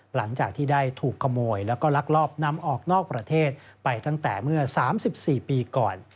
หลังจากที่ได้ถูกขโมยแล้วก็ลักลอบนำออกนอกประเทศไปตั้งแต่เมื่อ๓๔ปีก่อน